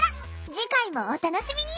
次回もお楽しみに！